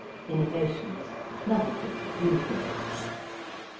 ~innovations~: novelties, new things.